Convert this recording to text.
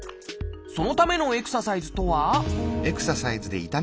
そのためのエクササイズとは？